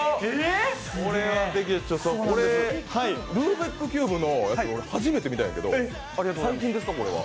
これ、ルービックキューブのやつ初めて見たんやけど、最近ですか、これは？